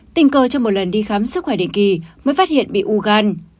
tình cờ trong một lần đi khám sức khỏe định kỳ mới phát hiện bị u gan